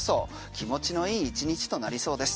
気持ちの良い１日となりそうです。